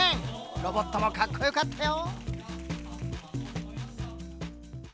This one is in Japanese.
ロボットもかっこよかったよ。